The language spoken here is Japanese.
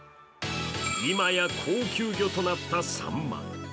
今や高級魚となった、さんま。